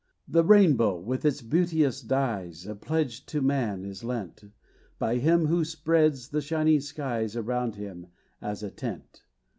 The rainbow, with its beauteous dies, A pledge to man, is lent By him, who spreads the shining skies Around him, "as a tent."